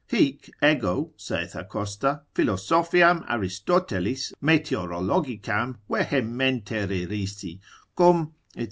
Hic ego, saith Acosta, philosophiam Aristotelis meteorologicam vehementer irrisi, cum, &c.